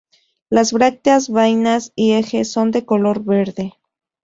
Las brácteas, vainas y ejes son de color verde.